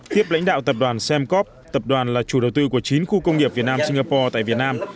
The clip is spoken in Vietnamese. tiếp lãnh đạo tập đoàn semcop tập đoàn là chủ đầu tư của chín khu công nghiệp việt nam singapore tại việt nam